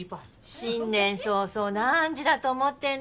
新年早々何時だと思ってんの？